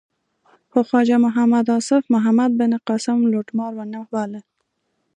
خو خواجه محمد آصف محمد بن قاسم لوټمار و نه باله.